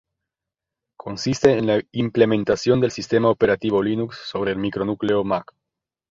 Consiste en la implementación del sistema operativo Linux sobre el micronúcleo Mach.